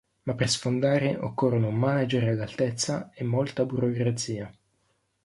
Ma per sfondare occorrono un manager all'altezza e molta burocrazia.